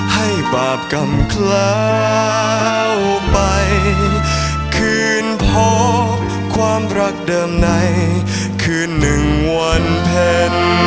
ให้บาปกรรมคลาวไปคืนพอความรักเดิมในคืนหนึ่งวันเพ็ญ